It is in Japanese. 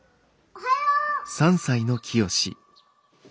おはよう！